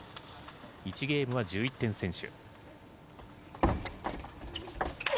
１ゲームは１１点先取。